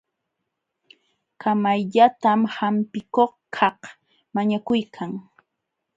Kamayllatam hampikuqkaq mañakuykan.